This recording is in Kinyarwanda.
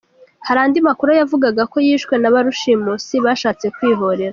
Hari andi makuru yavugaga ko yishwe na ba rushimusi bashatse kwihorera.